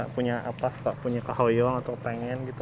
punya kahoyong atau pengen